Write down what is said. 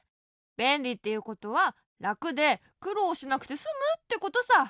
べんりっていうことはらくでくろうしなくてすむってことさ。